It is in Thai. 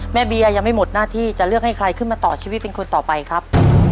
เบียร์ยังไม่หมดหน้าที่จะเลือกให้ใครขึ้นมาต่อชีวิตเป็นคนต่อไปครับ